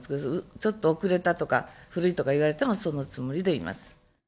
ちょっと遅れたとか、古いとか言われてもそのつもりでいます。